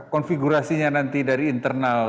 konfigurasinya nanti dari internal